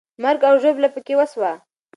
مرګ او ژوبله پکې وسوه.